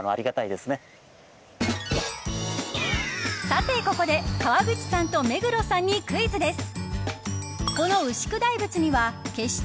さて、ここで川口さんと目黒さんにクイズです。